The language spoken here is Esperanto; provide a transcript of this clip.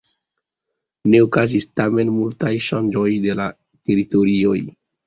Ne okazis tamen multaj ŝanĝoj de la teritorioj.